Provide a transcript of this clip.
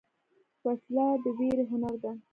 وسله د ویرې هنر ده